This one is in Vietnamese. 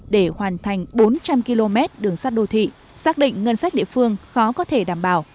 để hoàn thành bốn trăm linh km đường sắt đô thị xác định ngân sách địa phương khó có thể đảm bảo